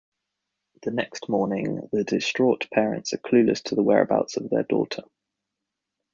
The next morning, the distraught parents are clueless to the whereabouts of their daughter.